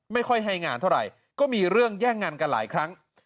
ไม่ค่อยให้งานเท่าไหร่ก็มีเรื่องแย่งงานกันหลายครั้ง